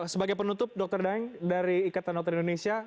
sebagai penutup dr daeng dari ikatan dokter indonesia